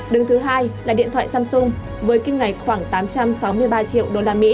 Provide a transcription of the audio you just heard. đứng thứ hai là điện thoại samsung với kim ngạch khoảng tám trăm sáu mươi ba triệu usd